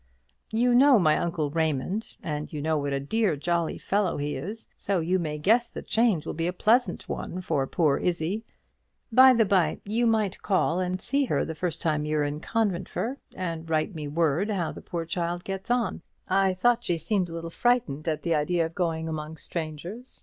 You know my uncle Raymond, and you know what a dear jolly fellow he is; so you may guess the change will be a very pleasant one for poor Izzie. By the bye, you might call and see her the first time you're in Conventford, and write me word how the poor child gets on. I thought she seemed a little frightened at the idea of going among strangers.